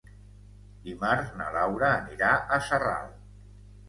Dimarts na Laura anirà a Sarral.